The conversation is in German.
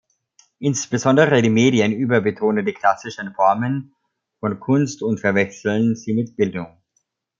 Insbesondere die Medien überbetonen die klassischen Formen von Kunst und verwechseln sie mit Bildung.